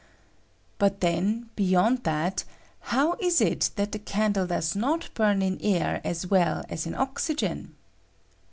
But then, beyond that, how is it that the candle does not burn in air as well as in oxygen